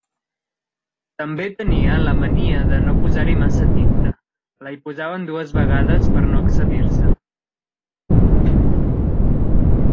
També tenia la mania de no posar-hi massa tinta: la hi posava en dues vegades per no excedir-se.